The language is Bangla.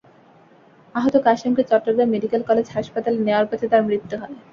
আহত কাশেমকে চট্টগ্রাম মেডিকেল কলেজ হাসপাতালে নেওয়ার পথে তাঁর মৃত্যু হয়।